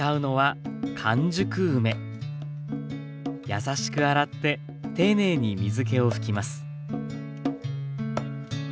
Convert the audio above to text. やさしく洗って丁寧に水けを拭きます。